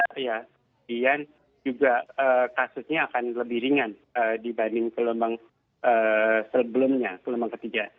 kemudian juga kasusnya akan lebih ringan dibanding gelombang sebelumnya gelombang ketiga